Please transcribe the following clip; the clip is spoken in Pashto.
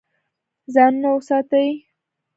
ځانونه وساتئ.